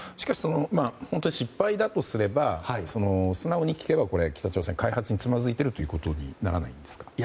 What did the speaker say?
失敗だとすれば素直に聞けば北朝鮮開発につまずいてることにならないんですか。